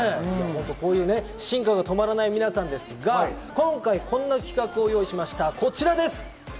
進化が止まらない皆さんですが、今回こんな企画を用意しました、こちらです。